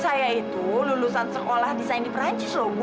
saya itu lulusan sekolah desain di perancis loh bu